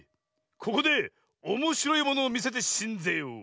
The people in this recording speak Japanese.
ここでおもしろいものをみせてしんぜよう。